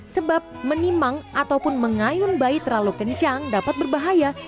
sebab menimang ataupun mengayun bayi terlalu kencang dapat berbahaya